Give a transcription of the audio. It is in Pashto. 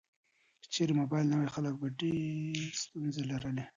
که چیرې موبایل نه وای، خلک به ډیر ستونزې لرلې.